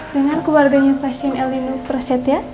dengan keluarganya pasien el nino praset ya